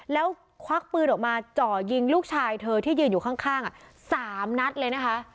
แล้วควักปืนออกมาจ่อยิงลูกชายเธอที่ยืนอยู่ข้าง๓นัดเลยนะคะ